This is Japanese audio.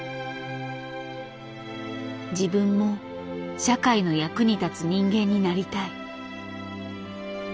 「自分も社会の役に立つ人間になりたい」。